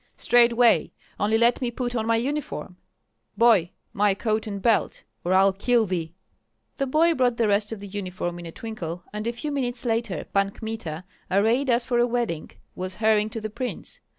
"Straightway, only let me put on my uniform. Boy, my coat and belt, or I'll kill thee!" The boy brought the rest of the uniform in a twinkle; and a few minutes later Pan Kmita, arrayed as for a wedding, was hurrying to the prince.